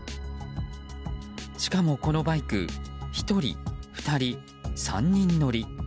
しかも、このバイク１人、２人、３人乗り。